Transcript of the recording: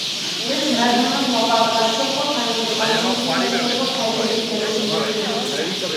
بىز مەرھۇمنىڭ ۋاپاتىغا چوڭقۇر قايغۇرىدىغانلىقىمىزنى ۋە چوڭقۇر تەزىيەدە ئىكەنلىكىمىزنى بىلدۈرىمىز.